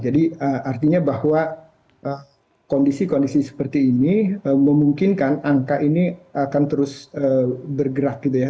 jadi artinya bahwa kondisi kondisi seperti ini memungkinkan angka ini akan terus bergerak gitu ya